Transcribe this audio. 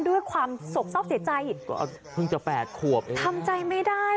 ด้วยความสกเศร้าเสียใจก็เพิ่งจะแปดขวบเองทำใจไม่ได้